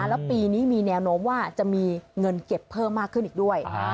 แล้วปีนี้มีแนวโน้มว่าจะมีเงินเก็บเพิ่มมากขึ้นอีกด้วย